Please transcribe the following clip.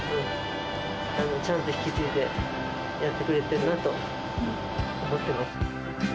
ちゃんと引き継いでやってくれてるなと思ってます。